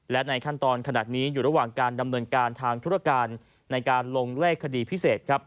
และในขั้นตอนขนาดนี้อยู่ระหว่างการดำเนินการทางธุรการในการลงเลขคดีพิเศษครับ